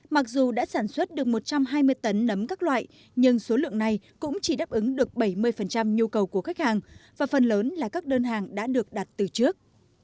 mặc dù đã sản xuất được một trăm hai mươi tấn nấm các loại nhưng số lượng này cũng chỉ đáp ứng được bảy mươi nhu cầu của khách hàng và phần lớn là các đơn hàng đã được đặt từ trước